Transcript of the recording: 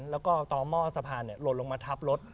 แล้วก็ต้อม่อสะพานลดลงมาทับรถ